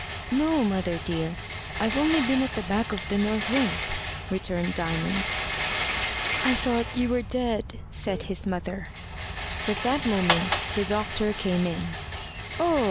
"No, mother dear. I've only been at the back of the north wind," returned Diamond. "I thought you were dead," said his mother. But that moment the doctor came in. "Oh!